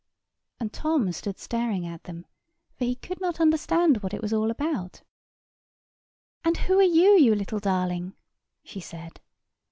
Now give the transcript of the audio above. And Tom stood staring at them; for he could not understand what it was all about. "And who are you, you little darling?" she said.